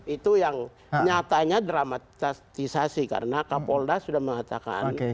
itu yang nyatanya dramatisasi karena kapolda sudah mengatakan